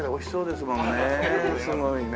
すごいね。